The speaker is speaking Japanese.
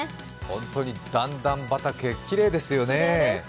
本当に段々畑、きれいですよね